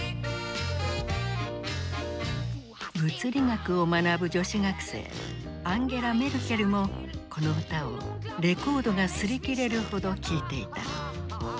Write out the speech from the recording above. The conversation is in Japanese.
物理学を学ぶ女子学生アンゲラ・メルケルもこの歌をレコードが擦り切れるほど聴いていた。